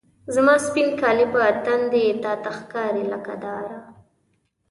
زما سپین کالي په تن دي، تا ته ښکاري لکه داره